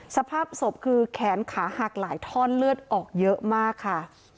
สภาพศพคือแขนขาหักหลายท่อนเลือดออกเยอะมากค่ะ